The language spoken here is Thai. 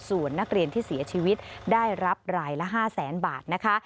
ส่วนนักเรียนที่เสียชีวิตได้รับรายละ๕๐๐๐๐๐บาท